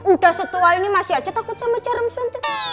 udah setua ini masih aja takut sama jarum saja